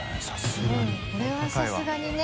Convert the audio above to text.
これはさすがにね。